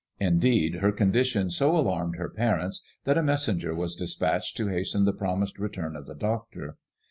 Indeed her condition so alarmed her parents, that a messenger was despatched to hasten the promised return of the doctor.